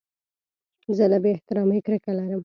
زه له بې احترامۍ کرکه لرم.